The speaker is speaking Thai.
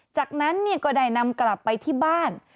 จากนั้นก็ได้นำกลับไปที่บ้าน